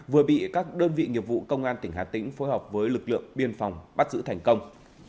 vừa bị các đơn vị nghiệp vụ công an tp hcm phối hợp với lực lượng biên phòng bắt giữ thành công